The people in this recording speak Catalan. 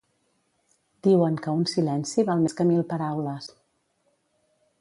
Diuen que un silenci val més que mil paraules.